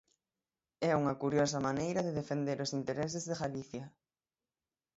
É unha curiosa maneira de defender os intereses de Galicia.